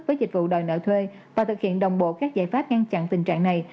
với dịch vụ đòi nợ thuê và thực hiện đồng bộ các giải pháp ngăn chặn tình trạng này